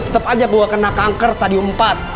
tetep aja gue kena kanker stadion empat